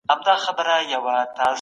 د بشري حقونو خپلواک کمیسیون فعال و.